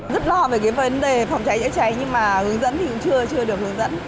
rất lo về cái vấn đề phòng cháy chữa cháy nhưng mà hướng dẫn thì cũng chưa được hướng dẫn